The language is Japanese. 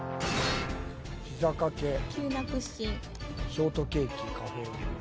ショートケーキカフェオレ。